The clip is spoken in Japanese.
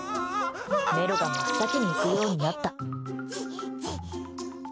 メロが真っ先に行くようになった。